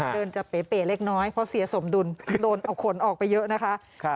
เดินจะเป๋เล็กน้อยเพราะเสียสมดุลโดนเอาขนออกไปเยอะนะคะ